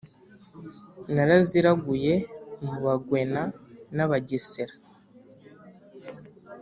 naraziraguye mu bagwena n'abagesera